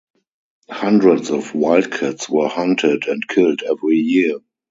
Hundreds of wildcats were hunted and killed every year.